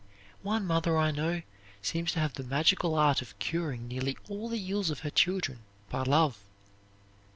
One mother I know seems to have the magical art of curing nearly all the ills of her children by love.